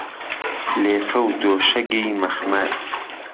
لێفه و دۆشهگی مهخمەر